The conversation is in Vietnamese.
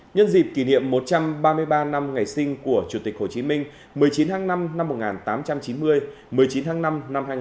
nhân dịp kỷ niệm một trăm ba mươi ba năm ngày sinh của chủ tịch hồ chí minh một mươi chín tháng năm năm một nghìn tám trăm chín mươi một mươi chín tháng năm năm hai nghìn hai mươi